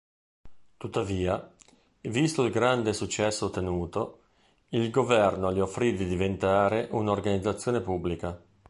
Tuttavia, visto il grande successo ottenuto, il governo gli offrì di diventare un'organizzazione pubblica.